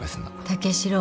武四郎。